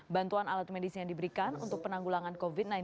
bantuan alat medis yang diberikan untuk penanggulangan covid sembilan belas